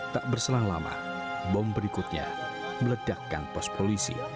tak berselang lama bom berikutnya meledakkan pos polisi